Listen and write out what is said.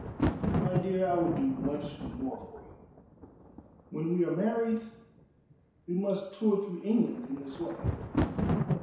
"My dear, I would do much more for you. When we are married we must tour through England in this way."